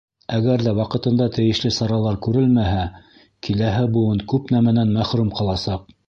Әгәр ҙә ваҡытында тейешле саралар күрелмәһә, киләһе быуын күп нәмәнән мәхрүм ҡаласаҡ.